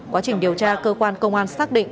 quá trình điều tra cơ quan công an xác định